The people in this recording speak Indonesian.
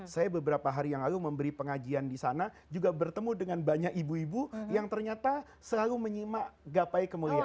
saya beberapa hari yang lalu memberi pengajian di sana juga bertemu dengan banyak ibu ibu yang ternyata selalu menyimak gapai kemuliaan